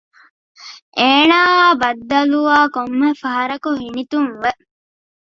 އޭނާއާއި ބައްދަލުވާ ކޮންމެ ފަހަރަކު ހިނިތުންވެ